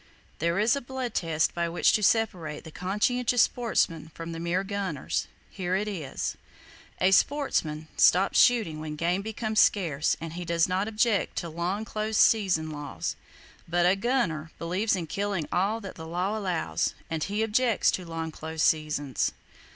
There is a blood test by which to separate the conscientious sportsmen from the mere gunners. Here it is: A sportsman stops shooting when game becomes scarce; and he does not object to long close season laws; but A gunner believes in killing "all that the law allows;" and he objects to long close seasons!